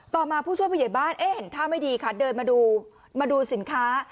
ต่อมาผู้ช่วยผู้ใหญ่บ้านเห็นท่าไม่ดีค่ะเดินมาดูสินค้า